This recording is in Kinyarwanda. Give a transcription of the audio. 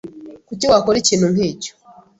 Kuki wakora ikintu nkicyo?